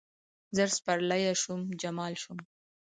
زر سپرلیه شوم، جمال شوم